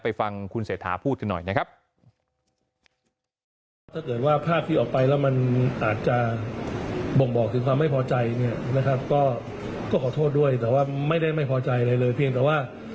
ไปฟังคุณเสถาพูดให้หน่อยนะครับ